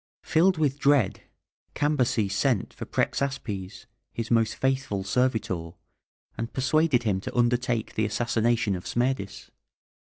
Filled with dread, Cambyses sent for Prexaspes, his most faithful servitor, and persuaded him to undertake the assassination of Smerdis.